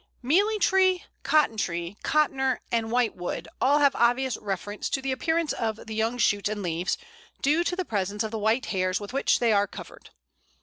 Mealy tree, Cotton tree, Cottoner, and White wood all have obvious reference to the appearance of the young shoots and leaves, due to the presence of the white hairs with which they are covered.